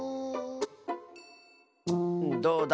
どうだ？